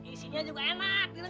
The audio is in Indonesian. isinya juga enak